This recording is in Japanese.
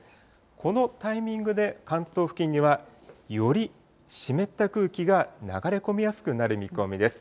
このタイミングで関東付近には、より湿った空気が流れ込みやすくなる見込みです。